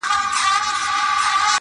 خر هغه ګړی روان سو په ځنګله کي-